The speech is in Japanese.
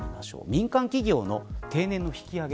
民間企業の定年の引き上げ